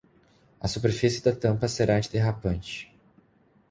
A superfície da tampa será antiderrapante.